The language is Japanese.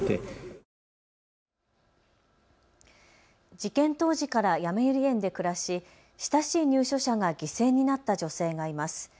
事件当時からやまゆり園で暮らし親しい入所者が犠牲になった女性がいます。